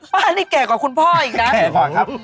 ป้านี่แก่กว่าคุณพ่ออีกนะโอ้โฮแก่พ่อครับ